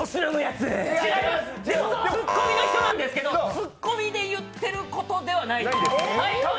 ツッコミの人なんですけど、ツッコミで言ってる言葉じゃないです。